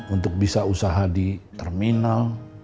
untuk bisa usaha di terminal